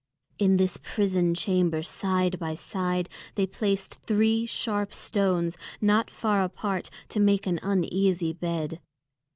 In this prison chamber side by side they placed three sharp stones, not far apart, to make an uneasy bed.